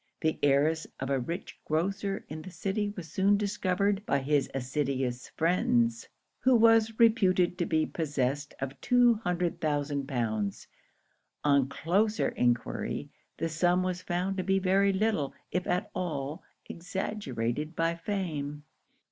The heiress of a rich grocer in the city was soon discovered by his assiduous friends, who was reputed to be possessed of two hundred thousand pounds. On closer enquiry, the sum was found to be very little if at all exaggerated by fame.